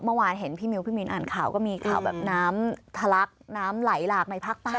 เมื่อวานเห็นพี่มิวพี่มินอ่านข่าวก็มีข่าวแบบน้ำทะลักน้ำไหลหลากในภาคใต้